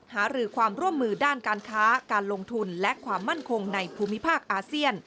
หารือความร่วมมือด้านการค้าการลงทุนและความมั่นคงในภูมิภาคอาเซียน